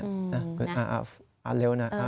อันเร็วหน่อย